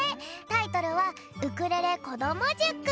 タイトルは「ウクレレこどもじゅく」。